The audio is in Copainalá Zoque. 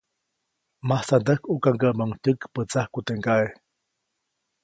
Masandäjkʼukaŋgäʼmäʼuŋ tyäkpätsajku teʼ ŋgaʼe.